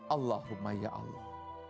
allahumma ya allah